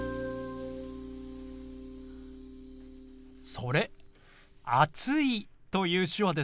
それ「暑い」という手話ですよ。